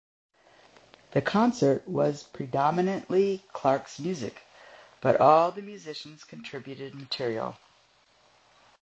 The concert was predominantly Clarke's music, but all the musicians contributed material.